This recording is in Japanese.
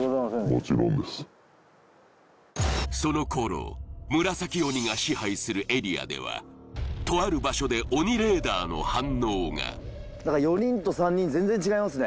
もちろんですその頃紫鬼が支配するエリアではとある場所で鬼レーダーの反応が何か４人と３人全然違いますね